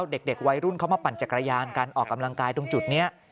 เด็กวัยรุ่นเขามาปั่นจักรยานกันออกกำลังกายตรงจุดนี้